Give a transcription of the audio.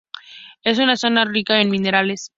Es una zona rica en minerales.